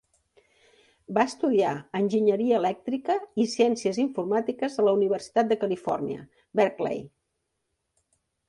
Va estudiar enginyeria elèctrica i ciències informàtiques a la Universitat de Califòrnia, Berkeley.